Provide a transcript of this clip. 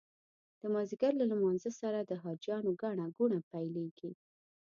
د مازدیګر له لمانځه سره د حاجیانو ګڼه ګوڼه پیلېږي.